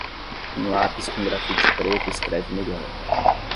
Um lápis com grafite preto escreve melhor.